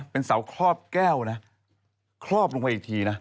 เป็นเสาครอบแก้วนะครอบลงไปอีกทีนะ